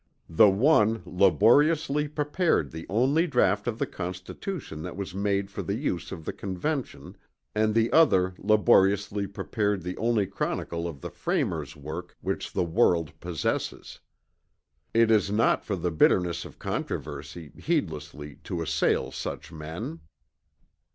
The one laboriously prepared the only draught of the Constitution that was made for the use of the Convention; and the other laboriously prepared the only chronicle of the framers' work which the world possesses. It is not for the bitterness of controversy, heedlessly, to assail such men.